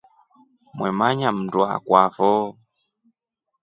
Mwemanya mndu akuafo.